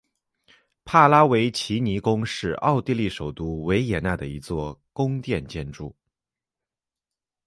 帕拉维奇尼宫是奥地利首都维也纳的一座宫殿建筑。